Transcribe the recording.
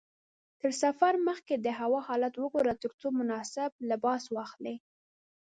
تر سفر مخکې د هوا حالت وګوره ترڅو مناسب لباس واخلې.